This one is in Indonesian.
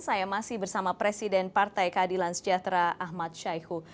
saya masih bersama presiden partai keadilan sejahtera ahmad syaihu